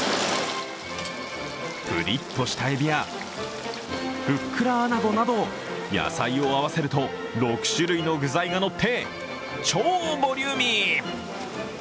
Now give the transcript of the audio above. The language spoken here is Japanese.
プリッとしたエビや、ふっくら穴子など、野菜を合わせると６種類の具材がのって超ボリューミー。